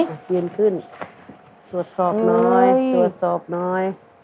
นายยืนขึ้นสวดสอบน้อยสวดสอบน้อย